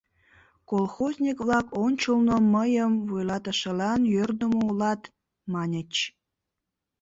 Колхозник-влак ончылно мыйым «вуйлатышылан йӧрдымӧ улат» маньыч.